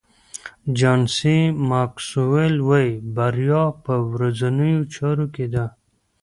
جان سي ماکسویل وایي بریا په ورځنیو چارو کې ده.